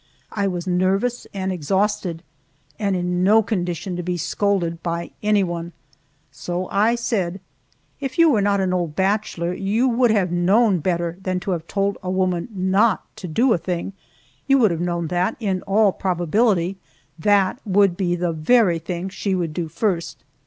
I was nervous and exhausted, and in no condition to be scolded by anyone, so I said: "If you were not an old bachelor you would have known better than to have told a woman not to do a thing you would have known that, in all probability, that would be the very thing she would do first!"